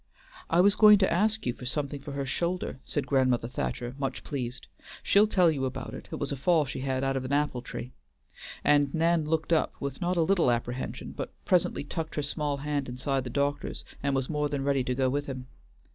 "I was going to ask you for something for her shoulder," said Grandmother Thacher, much pleased, "she'll tell you about it, it was a fall she had out of an apple tree," and Nan looked up with not a little apprehension, but presently tucked her small hand inside the doctor's and was more than ready to go with him.